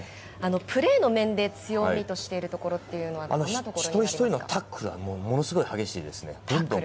プレーの面で強みとしているところは、どんなところになりま一人一人のタックルがものすごい激しいですね。